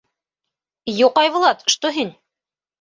— Юҡ, Айбулат, что һин.